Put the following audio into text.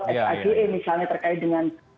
saag misalnya terkait dengan